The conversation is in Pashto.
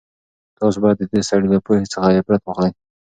تاسو بايد د دې سړي له پوهې څخه عبرت واخلئ.